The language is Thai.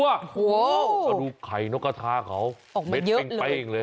โอ้โหเอาดูไข่นกกะทาเขาออกมาเยอะเลยเม็ดแป้งเลย